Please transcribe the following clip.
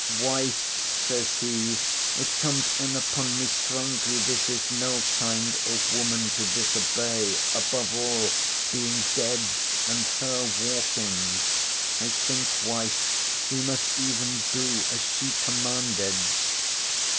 "Wife," says he, "it comes in upon me strongly this is no kind of woman to disobey; above all, being dead and her walking. I think, wife, we must even do as she commanded."